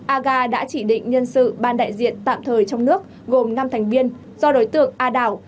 aga đã chỉ định nhân sự ban đại diện tạm thời trong nước gồm năm thành viên do đối tượng a đảo